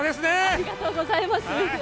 ありがとうございます。